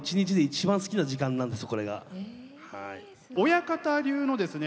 親方流のですね